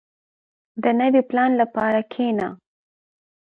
• د نوي پلان لپاره کښېنه.